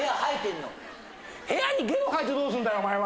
部屋にゲロ吐いてどうすんだよお前は。